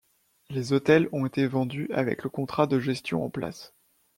Les hôtels ont été vendus avec le contrat de gestion en place.